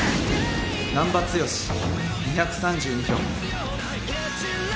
難破剛２３２票。